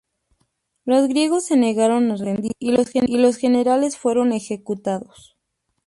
Los griegos se negaron a rendirse y los generales fueron ejecutados.